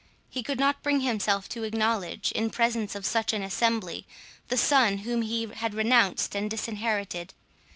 He could not bring himself to acknowledge, in presence of such an assembly, the son whom he had renounced and disinherited.